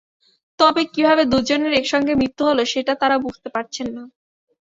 তবে কীভাবে দুজনের একসঙ্গে মৃত্যু হলো সেটা তাঁরা বুঝতে পারছেন না।